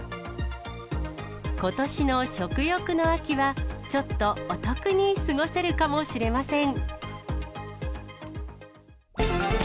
ことしの食欲の秋は、ちょっとお得に過ごせるかもしれません。